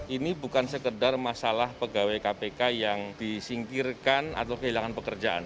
ini bukan sekedar masalah pegawai kpk yang disingkirkan atau kehilangan pekerjaan